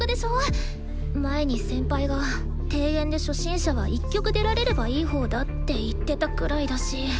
前に先輩が「定演で初心者は１曲出られればいいほうだ」って言ってたくらいだし。